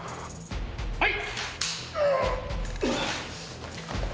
はい！